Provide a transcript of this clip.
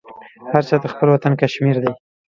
هر چاته خپل وطن کشمیر دی